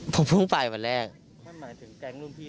ผมพึ่งไปวันแรก